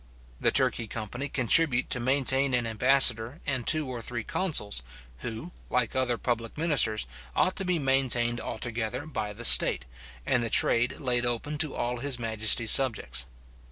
The Turkey company contribute to maintain an ambassador and two or three consuls, who, like other public ministers, ought to be maintained altogether by the state, and the trade laid open to all his majesty's subjects.